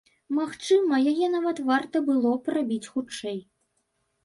Магчыма, яе нават варта было б рабіць хутчэй.